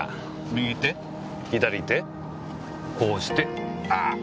右手左手こうしてああー！